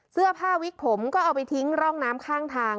เสื้อผ้าวิกผมก็เอาไปทิ้งร่องน้ำข้างทาง